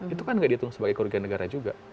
itu kan nggak dihitung sebagai kerugian negara juga